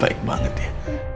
baik banget ya